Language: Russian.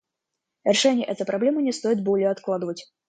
Решение этой проблемы не стоит более откладывать.